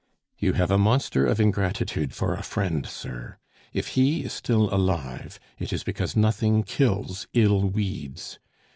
"You have a monster of ingratitude for a friend, sir; if he is still alive, it is because nothing kills ill weeds.